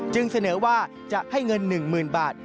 เสนอว่าจะให้เงิน๑๐๐๐บาท